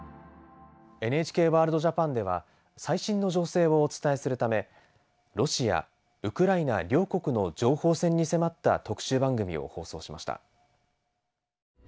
「ＮＨＫＷＯＲＬＤＪＡＰＡＮ」では最新の情勢をお伝えするためロシアウクライナ両国の情報戦に迫った特集番組を放送しました。